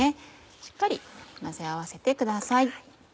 しっかり混ぜ合わせてください。